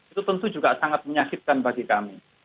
itu tentu juga sangat menyakitkan bagi kami